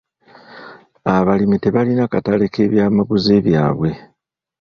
Abalimi tebalina katale k'ebyamaguzi byabwe.